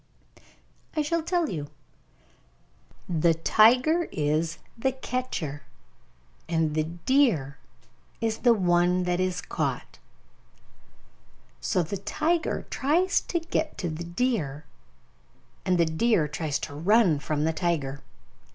I shall tell you. The tiger is the catcher, and the deer is the one that is caught. So the tiger tries to get to the deer, and the deer tries to run from the tiger.